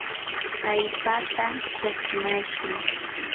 allpata chakmyashun.